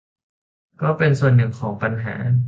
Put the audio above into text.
ก็เป็นส่วนหนึ่งของปัญหา